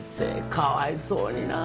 かわいそうにな。